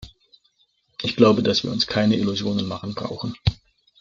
Ich glaube, dass wir uns keine Illusionen machen brauchen.